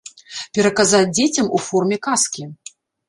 Пераказаць дзецям у форме казкі.